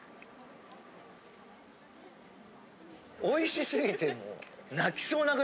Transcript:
おいしすぎてもう。